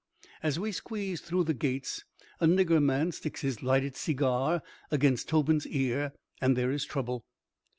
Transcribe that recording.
As we squeezed through the gates a nigger man sticks his lighted segar against Tobin's ear, and there is trouble.